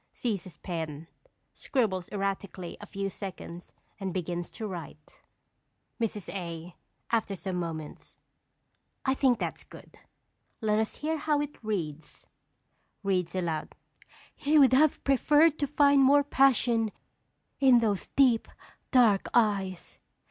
Seizes pen, scribbles erratically a few seconds and begins to write._] Mrs. A. (after some moments). I think that is good. Let us hear how it reads. (Reads aloud.) "He would have preferred to find more passion in those deep, dark eyes.